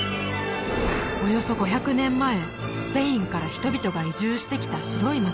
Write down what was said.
およそ５００年前スペインから人々が移住してきた白い街